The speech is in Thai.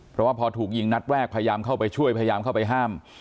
เพราะว่าพอถูกยิงนัดแรกพยายามเข้าไปช่วยพยายามเข้าไปห้าม